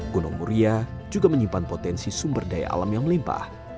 gunung muria juga menyimpan potensi sumber daya alam yang melimpah